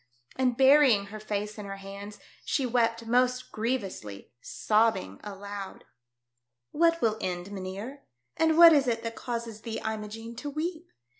and burying her face in her hands she wept most grievously, sobbing aloud. " What will end, mynheer? And what is it that causes thee, Imogene, to weep